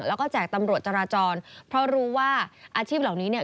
แล้วก็แจกตำรวจจราจรเพราะรู้ว่าอาชีพเหล่านี้เนี่ย